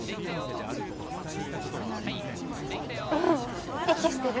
ううん息してる。